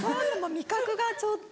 味覚がちょっと。